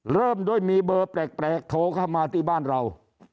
เริ่มด้วยมีเบอร์แปลกโทรเข้ามาที่บ้านเรา